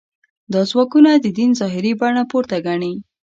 دا ځواکونه د دین ظاهري بڼه پورته ګڼي.